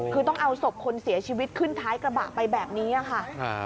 คือต้องเอาศพคนเสียชีวิตขึ้นท้ายกระบะไปแบบนี้ค่ะ